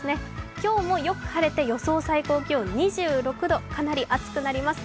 今日もよく晴れて予想最高気温２６度、かなり暑くなります。